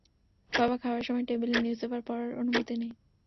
বাবা, খাবারের সময় টেবিলে নিউজপেপার পড়ার অনুমতি নেই।